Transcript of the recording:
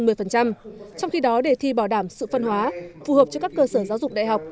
trong khi đó đề thi bảo đảm sự phân hóa phù hợp cho các cơ sở giáo dục đại học